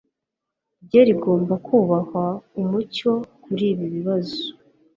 rye rigomba kubahwa Umucyo kuri ibi bibazo